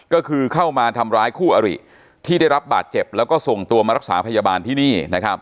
ก็คือเข้ามาทำร้ายคู่อริที่ได้รับบาดเจ็บแล้วก็ส่งตัวมารักษาพยาบาลที่นี่